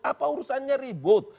apa urusannya ribut